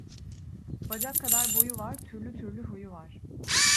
Bacak kadar boyu var, türlü türlü huyu var